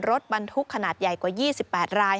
รถบรรทุกขนาดใหญ่กว่า๒๘ราย